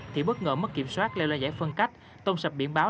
thì bất ngờ mất kiểm soát leo ra giải phân cách tông sập biển báo